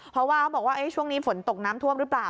เพราะว่าเขาบอกว่าช่วงนี้ฝนตกน้ำท่วมหรือเปล่า